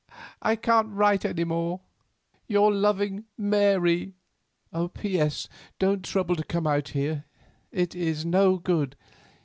I can't write any more. "Your loving "MARY." "P.S. Don't trouble to come out here. It is no good.